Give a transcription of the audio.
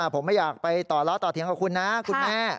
ผมไม่อยากไปต่อล้อต่อเถียงกับคุณนะคุณแม่